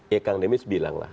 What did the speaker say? ya kang demis bilanglah